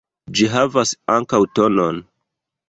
Ĝi havas ankaŭ tonon.